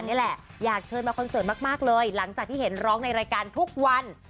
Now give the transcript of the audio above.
นี่แหละอยากเชิญมาคอนเสิร์ตมากเลยหลังจากที่เห็นร้องในรายการทุกวัน